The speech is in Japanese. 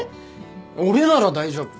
俺なら大丈夫。